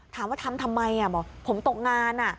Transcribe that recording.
ถามว่าทำทำไมอ่ะบอกผมตกงานอ่ะ